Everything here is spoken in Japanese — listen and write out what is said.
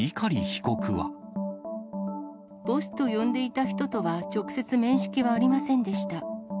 ボスと呼んでいた人とは直接面識はありませんでした。